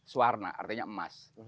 swarna artinya emas